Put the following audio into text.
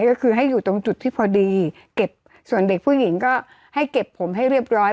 ก็คือให้อยู่ตรงจุดที่พอดีเก็บส่วนเด็กผู้หญิงก็ให้เก็บผมให้เรียบร้อย